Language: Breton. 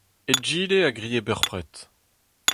Egile a grie bepred :